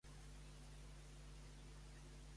Va donar-li les gràcies per l'acollida al senyor?